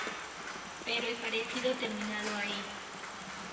Pero el parecido terminado ahí.